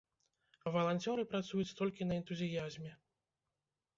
Валанцёры працуюць толькі на энтузіязме.